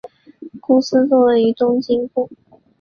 公司坐落于东京都。